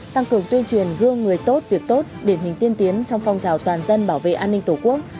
tăng cường tuyên truyền gương người tốt việc tốt điển hình tiên tiến trong phong trào toàn dân bảo vệ an ninh tổ quốc